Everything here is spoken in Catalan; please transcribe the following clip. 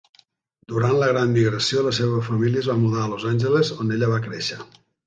Durant la Gran Migració, la seva família es va mudar a Los Angeles, on ella va créixer.